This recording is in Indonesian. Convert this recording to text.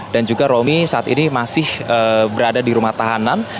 dan juga romi saat ini masih berada di rumah tahanan